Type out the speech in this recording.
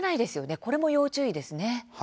これも要注意ですね。